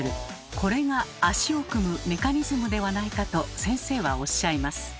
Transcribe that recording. これが足を組むメカニズムではないかと先生はおっしゃいます。